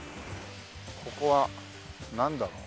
ここはなんだろう？